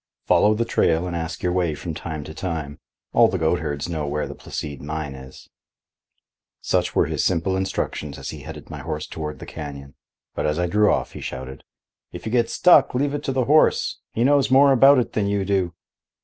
"Follow the trail and ask your way from time to time. All the goatherds know where the Placide mine is." Such were his simple instructions as he headed my horse toward the canyon. But as I drew off, he shouted out: "If you get stuck, leave it to the horse. He knows more about it than you do."